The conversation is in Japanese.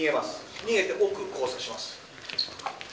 逃げてここで交差します。